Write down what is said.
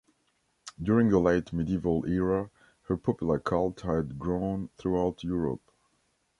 During the late medieval era, her popular cult had grown throughout Europe.